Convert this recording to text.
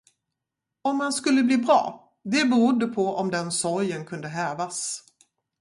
Om han skulle bli bra, det berodde på om den sorgen kunde hävas.